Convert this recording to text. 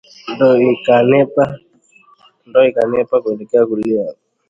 Ndoo ikanepa kuelekea kulia